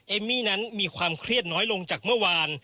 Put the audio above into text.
เอมมี่นั้นมีความเครียดน้อยลงจากเมื่อวาน